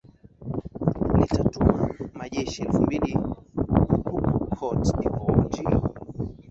litatuma majeshi elfu mbili huku cote devoire je